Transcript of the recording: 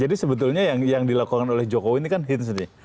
jadi sebetulnya yang dilakukan oleh jokowi ini kan hinsi